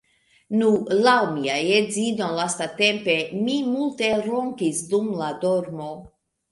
Nu, laŭ mia edzino, lastatempe, mi multe ronkis dum la dormo